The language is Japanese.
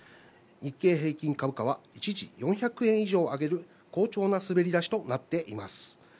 日経平均株価は一時４００円以上、上げる好調な滑り出しとなっています。